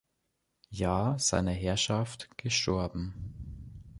Jahr seiner Herrschaft gestorben.